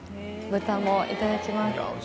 豚もいただきます。